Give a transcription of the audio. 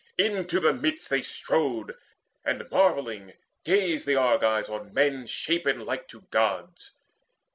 Into the midst they strode, and marvelling gazed The Argives on men shapen like to gods.